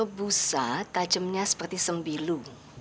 kasur busa tajamnya seperti sembilu